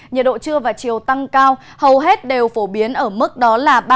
nhiệt độ trưa và chiều tăng cao hầu hết đều phổ biến ở mức ba mươi ba ba mươi bốn độ